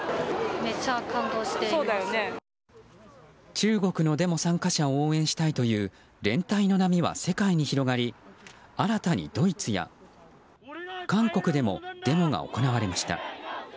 中国のデモ参加者を応援したいという連帯の波は世界に広がり新たに、ドイツや韓国でもデモが行われました。